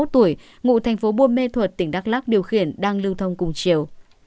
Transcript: ba mươi một tuổi ngụ tp buôn mê thuật tỉnh đắk lắc điều khiển đang lưu thông cùng chiều